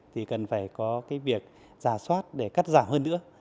thì cần phải có cái việc giả soát để cắt giảm hơn nữa